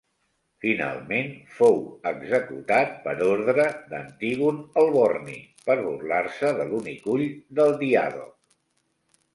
Finalment fou executat per orde d'Antígon el Borni per burlar-se de l'únic ull del diàdoc.